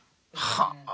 はあ。